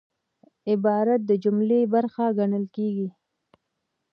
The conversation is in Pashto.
عبارت د جملې برخه ګڼل کېږي.